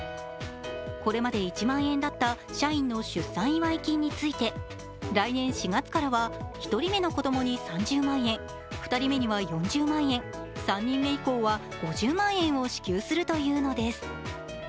これまで１万円だった社員の出産祝い金について来年４月からは１人目の子どもに３０万円、２人目には４０万円３人目以降は５０万円を支給するというのです。